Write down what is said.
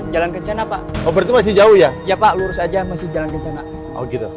jalan kencana pak obat masih jauh ya ya pak lurus aja masih jalan kencana oh gitu